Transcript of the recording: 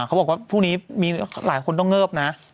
เขาบอกว่าพรุ่งนี้มีหลายคนต้องเงิบนะ